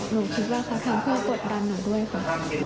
หนูคิดว่าครับทั้งเพื่อกดบัญหนูด้วยค่ะ